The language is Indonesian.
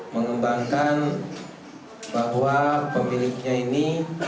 mengembangkan bahwa pemiliknya ini